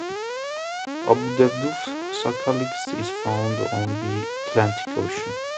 Abudefduf saxatilis is found in the Atlantic Ocean.